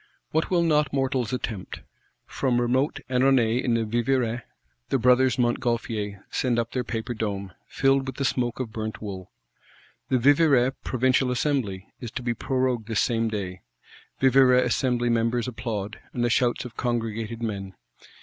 What will not mortals attempt? From remote Annonay in the Vivarais, the Brothers Montgolfier send up their paper dome, filled with the smoke of burnt wool. The Vivarais provincial assembly is to be prorogued this same day: Vivarais Assembly members applaud, and the shouts of congregated men.